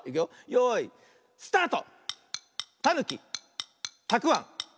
よいスタート！